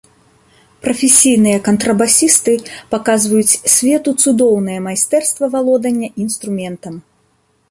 Прафесійныя кантрабасісты паказваюць свету цудоўнае майстэрства валодання інструментам.